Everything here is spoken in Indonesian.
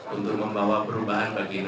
untuk membawa perubahan bagi